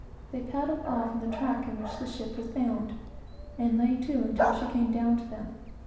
They paddled off in the track of the ship, and lay to until she came down to them.